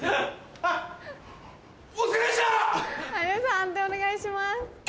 判定お願いします。